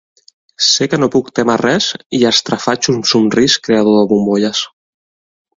Sé que no puc témer res i estrafaig un somrís creador de bombolles.